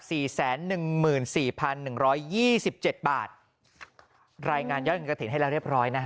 สี่แสนหนึ่งหมื่นสี่พันหนึ่งร้อยยี่สิบเจ็ดบาทรายงานยอดเงินกระถิ่นให้แล้วเรียบร้อยนะฮะ